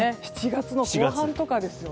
７月の後半とかです。